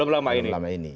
belum lama ini